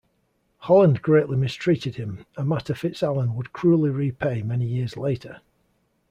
Holland greatly mistreated him, a matter FitzAlan would cruelly repay many years later.